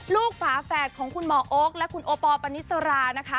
ฝาแฝดของคุณหมอโอ๊คและคุณโอปอลปณิสรานะคะ